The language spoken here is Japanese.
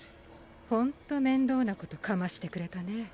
ほんと面倒なことかましてくれたね